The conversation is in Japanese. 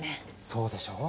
そうでしょう？